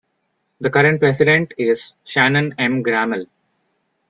The current president is Shannon M. Grammel.